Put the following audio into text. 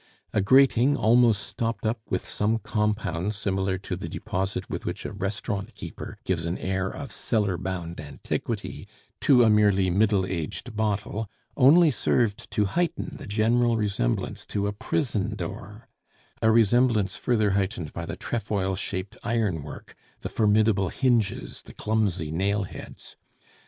A grating, almost stopped up with some compound similar to the deposit with which a restaurant keeper gives an air of cellar bound antiquity to a merely middle aged bottle, only served to heighten the general resemblance to a prison door; a resemblance further heightened by the trefoil shaped iron work, the formidable hinges, the clumsy nail heads.